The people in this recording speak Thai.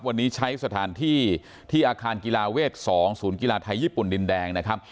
วันนี้ใช้สถานที่ที่อาคารกีฬาเวท๒ศูนย์กีฬาไทยญี่ปุ่นดินแดงนะครับ